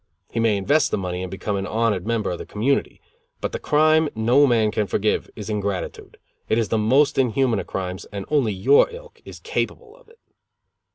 He may invest the money and become an honored member of the community. But the crime no man can forgive is ingratitude. It is the most inhuman of crimes and only your ilk is capable of it."